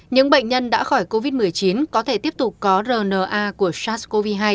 những bệnh nhân đã khỏi covid một mươi chín có thể tiếp tục có rna của sars cov hai